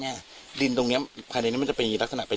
เนี้ยดินตรงเนี้ยภายในนี้มันจะเป็นยิ่งลักษณะเป็น